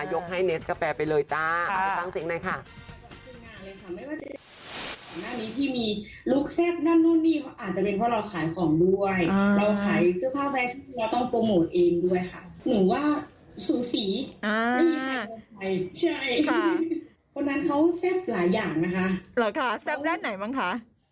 ยกให้เนสกาแฟไปเลยจ๊ะตั้งเสียงหน่อยค่ะ